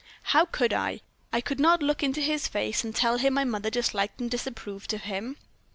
"How could I? I could not look into his face, and tell him my mother disliked and disapproved of him.